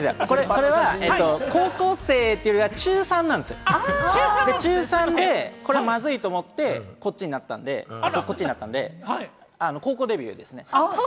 これは高校生というよりは中３なんですよ、中３でこれはまずいと思って、こっちになったので、こっちになったので、高校デビューですね。